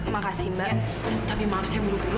makasih mbak tapi maaf saya mulu mulu